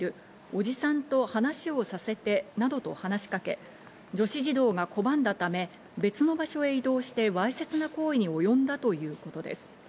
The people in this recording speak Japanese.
おじさんと話をさせて、などと話し掛け女子児童が拒んだため、別の場所へ移動して、わいせつな行為におよんだということです。